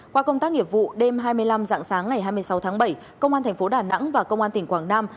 qua công tác nghiệp vụ đêm hai mươi năm dạng sáng ngày hai mươi sáu tháng bảy công an thành phố đà nẵng và công an tỉnh quảng nam